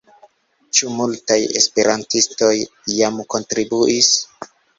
Ĉu multaj esperantistoj jam kontribuis?